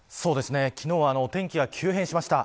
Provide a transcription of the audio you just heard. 昨日はお天気が急変しました。